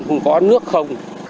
không có nước không